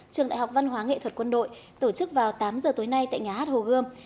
trường đại học văn hóa nghệ thuật quân đội tổ chức vào tám giờ tối nay tại nhà hát hồ gươm